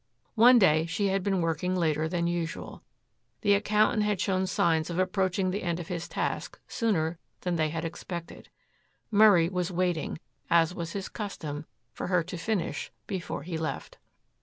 One day she had been working later than usual. The accountant had shown signs of approaching the end of his task sooner than they had expected. Murray was waiting, as was his custom, for her to finish before he left.